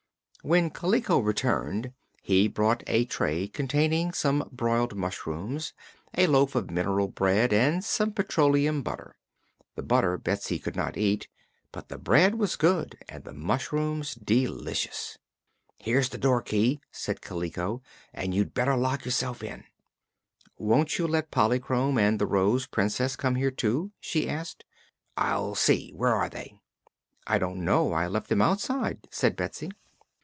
When Kaliko returned he brought a tray containing some broiled mushrooms, a loaf of mineral bread and some petroleum butter. The butter Betsy could not eat, but the bread was good and the mushrooms delicious. "Here's the door key," said Kaliko, "and you'd better lock yourself in." "Won't you let Polychrome and the Rose Princess come here, too?" she asked. "I'll see. Where are they?" "I don't know. I left them outside," said Betsy.